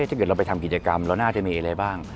ถ้าเกิดเราไปทำกิจกรรมเราน่าจะมีอะไรบ้าง